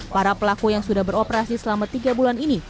para pelaku yang sudah beroperasi selama tiga bulan ini